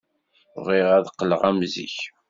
Bɣiɣ ad qqleɣ am zik.